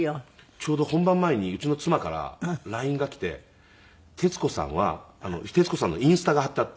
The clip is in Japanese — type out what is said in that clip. ちょうど本番前にうちの妻からＬＩＮＥが来て徹子さんは徹子さんのインスタが貼ってあって。